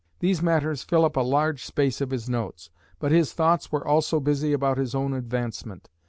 These matters fill up a large space of his notes. But his thoughts were also busy about his own advancement.